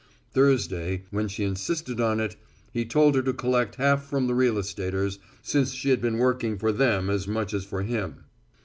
Thursday, when she insisted on it, he told her to collect half from the real estaters, since she had been working for them as much as for him.